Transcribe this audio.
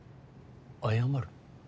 謝る？